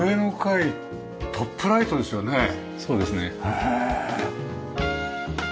へえ！